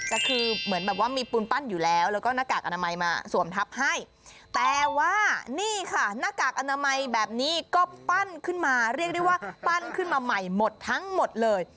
ก็คือเหมือนแบบว่ามีปูนปั้นอยู่แล้วแล้วก็หน้ากากอนามัยมาสวมทับให้แต่ว่านี่ค่ะหน้ากากอนามัยแบบนี้ก็ปั้นขึ้นมาเรียกได้ว่าปั้นขึ้นมาใหม่หมดทั้งหมดเลย